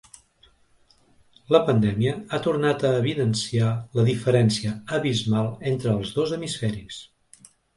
La pandèmia ha tornat a evidenciar la diferència abismal entre els dos hemisferis.